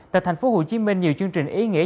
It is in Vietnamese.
tại tp hcm nhiều chương trình ý nghĩa